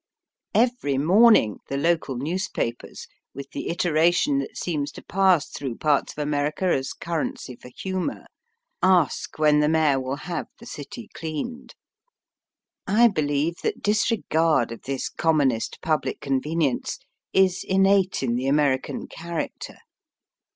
Every morning the local newspapers, with the itera tion that seems to pass through parts of America as currency for humour, ask when the mayor will have the city cleaned. I believe that disregard of this commonest public con venience is innate in the American character.